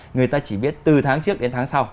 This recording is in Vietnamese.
người ta chỉ biết từ tháng trước đến tháng sau